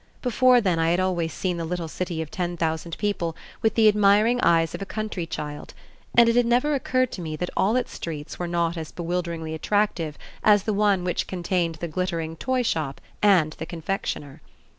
Before then I had always seen the little city of ten thousand people with the admiring eyes of a country child, and it had never occurred to me that all its streets were not as bewilderingly attractive as the one which contained the glittering toyshop and the confectioner.